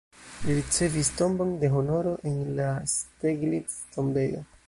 Li ricevis tombon de honoro en la Steglitz-tombejo.